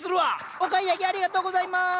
お買い上げありがとうございます。